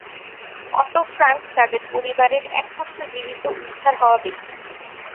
Auto Frank তাদের পরিবারের একমাত্র জীবিত উদ্ধার হওয়া ব্যক্তি।